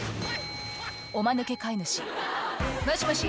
おマヌケ飼い主「もしもし？